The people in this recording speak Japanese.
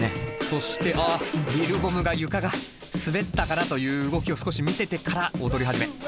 そしてあっＬＩＬ’ＢＯＭが床が滑ったからという動きを少し見せてから踊り始め。